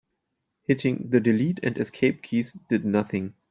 Hitting the delete and escape keys did nothing.